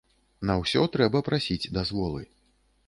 На ўсё трэба прасіць дазволы.